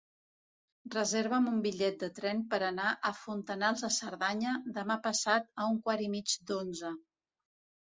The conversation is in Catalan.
Reserva'm un bitllet de tren per anar a Fontanals de Cerdanya demà passat a un quart i mig d'onze.